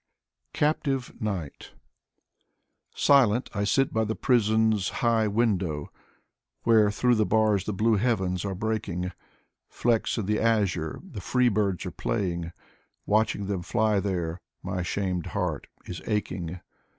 22 Mikhail Lermontov CAPTIVE KNIGHT Silent I sit by the prison's high window, Where through the bars the blue heavens are breaking. Flecks in the azure, the free birds are playing ; Watching them fly there, my shamed heart is aching.